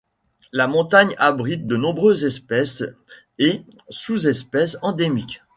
La montagne abrite de nombreuses espèces et sous-espèces endémiques.